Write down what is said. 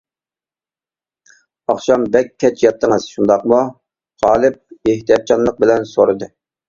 -ئاخشام بەك كەچ ياتتىڭىز، شۇنداقمۇ؟ غالىب ئېھتىياتچانلىق بىلەن سورىدى.